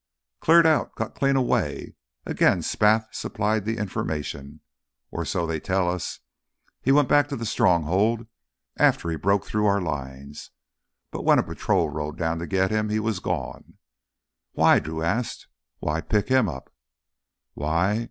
"Cleared out—got clean away." Again Spath supplied the information. "Or so they tell us. He went back to the Stronghold after he broke through our lines. But when a patrol rode down to get him, he was gone." "Why?" Drew asked. "Why pick him up?" "Why?